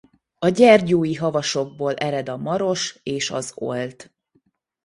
A Gyergyói-havasokból ered a Maros és az Olt.